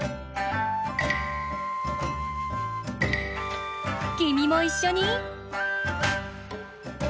きみもいっしょに！